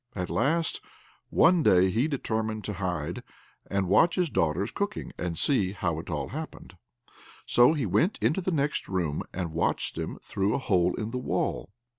At last, one day, he determined to hide, and watch his daughters cooking, and see how it all happened; so he went into the next room, and watched them through a hole in the wall.